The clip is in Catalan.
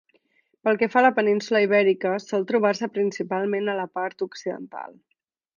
Pel que fa a la península Ibèrica, sol trobar-se principalment a la part occidental.